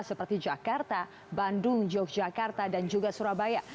seperti jakarta bandung yogyakarta dan juga surabaya